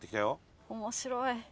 ・面白い。